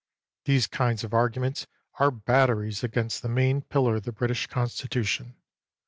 These kinds of arguments are bat teries against the main pillar of the British Con stitution.